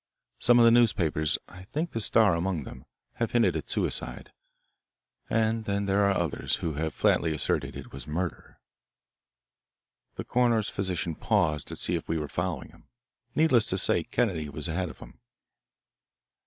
Some of the newspapers, I think the Star among them, have hinted at suicide. And then there are others, who have flatly asserted it was murder." The coroner's physician paused to see if we were following him. Needless to say Kennedy was ahead of him.